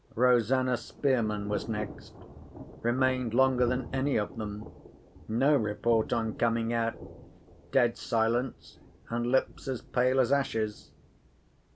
Rosanna Spearman went next. Remained longer than any of them. No report on coming out—dead silence, and lips as pale as ashes.